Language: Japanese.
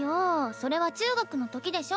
それは中学の時でしょ。